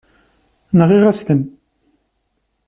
Nɣiɣ-as-ten.